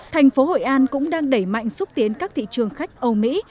thành phố hội an cũng đang đẩy mạnh xúc tiến các thị trường khách âu mỹ